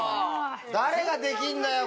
誰ができんだよ！